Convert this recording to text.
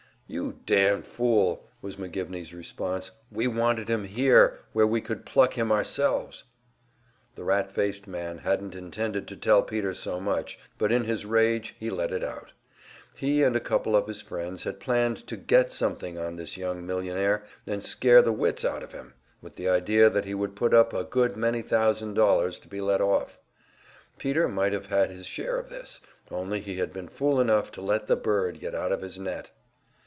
"You damned fool!" was McGivney's response. "We wanted to get him here, where we could pluck him ourselves." The rat faced man hadn't intended to tell Peter so much, but in his rage he let it out. He and a couple of his friends had planned to "get something" on this young millionaire, and scare the wits out of him, with the idea that he would put up a good many thousand dollars to be let off. Peter might have had his share of this only he had been fool enough to let the bird get out of his net!